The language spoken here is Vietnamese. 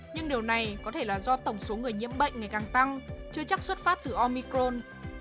nhưng điều này có thể là do tổng số người nhiễm bệnh ngày càng tăng chưa chắc xuất phát từ omicron